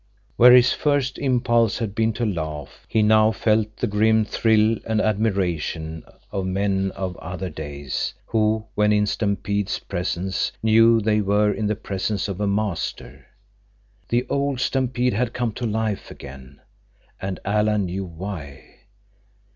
Where his first impulse had been to laugh, he now felt the grim thrill and admiration of men of other days, who, when in Stampede's presence, knew they were in the presence of a master. The old Stampede had come to life again. And Alan knew why.